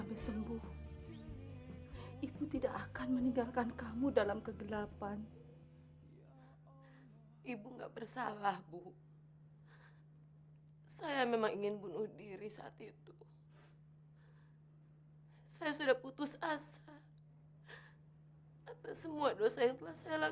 ingin mengakhiri semuanya